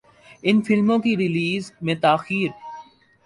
ان فلموں کی ریلیز میں تاخیر